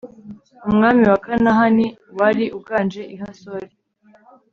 umwami wa kanahani, wari uganje i hasori